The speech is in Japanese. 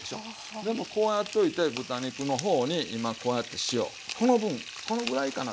でもこうやっといて豚肉の方に今こうやって塩この分このぐらいかなって。